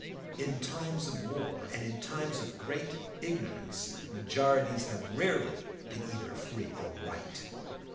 In times of war and in times of great ignorance majorities have rarely been either free or right.